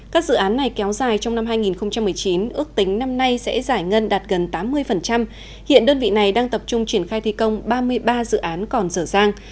các dự án này kéo dài trong năm hai nghìn một mươi chín ước tính năm nay sẽ giải ngân đạt gần tám mươi hiện đơn vị này đang tập trung triển khai thi công ba mươi ba dự án còn dở dàng